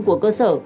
của cơ sở